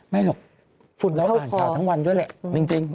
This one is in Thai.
ไม่หรอกฝุ่นเราอ่านข่าวทั้งวันด้วยแหละจริง